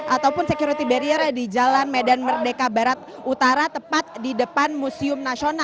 ataupun security barrier di jalan medan merdeka barat utara tepat di depan museum nasional